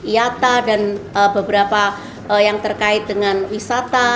yata dan beberapa yang terkait dengan wisata